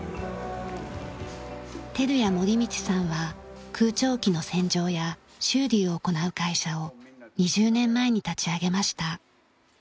照屋守道さんは空調機の洗浄や修理を行う会社を２０年前に立ち上げました。